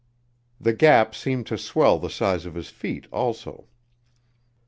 The gap seemed to swell the size of his feet, also.